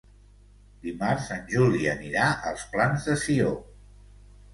Dimarts en Juli anirà als Plans de Sió.